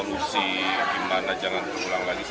untuk urusan berbicara tentang solusi